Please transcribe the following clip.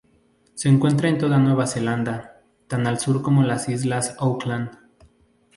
Se encuentra en toda Nueva Zelanda tan al sur como las Islas Auckland.